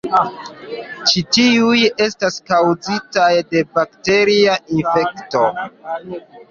Ĉi tiuj estas kaŭzitaj de bakteria infekto.